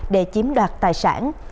để chiếm đoạt tài sản